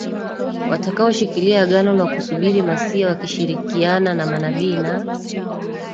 watakaoshikilia Agano la kusubiri Masiya wakishirikiana na manabii na